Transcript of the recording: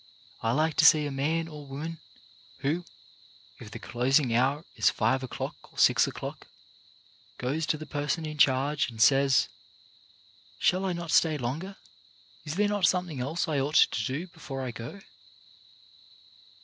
I like to see a man or woman who, if the closing hour is five o'clock or six o'clock, goes to the person in charge and says :" Shall I not stay longer ? Is there not something else I ought to do before I go